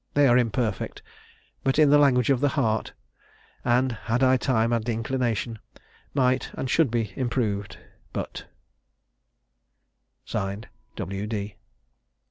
They are imperfect, but in the language of the heart; and, had I time and inclination, might, and should be, improved. But (Signed) "W. D."